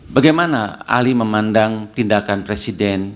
bagaimana ahli memandang tindakan presiden